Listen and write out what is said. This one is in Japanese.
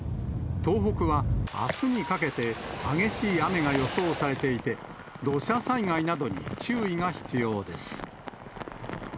東北はあすにかけて激しい雨が予想されていて、土砂災害などに注意が必要です。